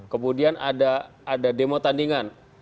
kemudian ada demo tandingan